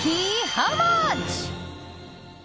ハウマッチ！